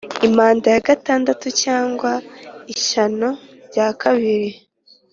Impanda ya gatandatu cyangwa ishyano rya kabiri